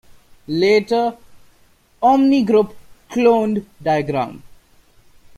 Later, OmniGroup cloned Diagram!